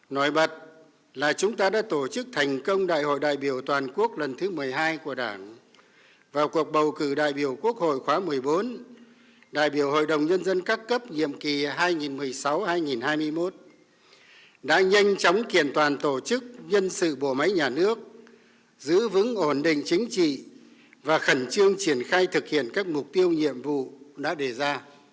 nói bật là chúng ta đã tổ chức thành công đại hội đại biểu toàn quốc lần thứ một mươi hai của đảng vào cuộc bầu cử đại biểu quốc hội khóa một mươi bốn đại biểu hội đồng nhân dân các cấp nhiệm kỳ hai nghìn một mươi sáu hai nghìn hai mươi một đã nhanh chóng kiện toàn tổ chức nhân sự bổ máy nhà nước giữ vững ổn định chính trị và khẩn trương triển khai thực hiện các mục tiêu nhiệm vụ đã đề ra